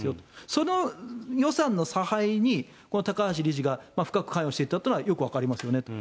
その予算の差配に高橋理事が深く関与していたというのは、よく分かりますよねと。